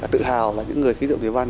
tự hào là những người khí dựng thủy văn